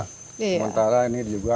sementara ini juga